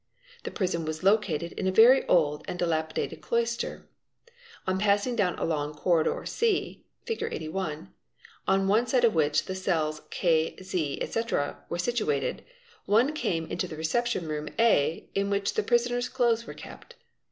The prison was located in a very old and dilapidated cloister. On passing down a long corridor C Prt) ee We ee tr Te ey ' (Fig. 81), on one side of which 'the cells pIeH 2 | KZ, etc., were situated, one came into the ij P ~ reception room A in which the prisoners' | "clothes were kept.